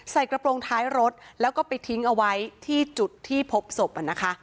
กระโปรงท้ายรถแล้วก็ไปทิ้งเอาไว้ที่จุดที่พบศพ